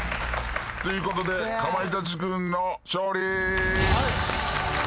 ということでかまいたち軍の勝利。